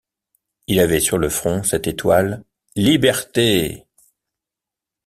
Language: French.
Il avait sur le front cette étoile, Liberté.